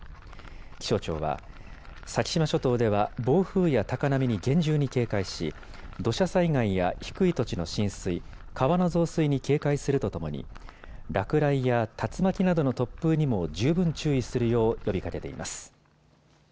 気象庁は、先島諸島では暴風や高波に厳重に警戒し、土砂災害や低い土地の浸水、川の増水に警戒するとともに落雷や竜巻などの突風にも十分注意するよう呼びかけています。